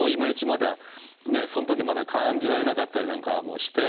まだそん時まだ感じられなかったりなんかもして。